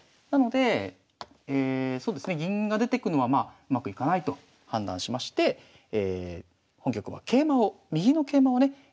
なのでそうですね銀が出てくのはうまくいかないと判断しまして本局は右の桂馬をね